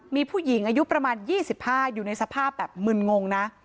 มีผู้หญิงอายุประมาณ๒๕อยู่ในสภาพแบบมึนงงนะ